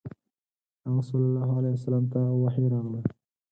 هغه ﷺ ته وحی راغله.